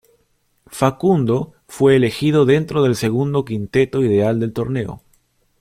Facundo fue elegido dentro del segundo quinteto ideal del torneo.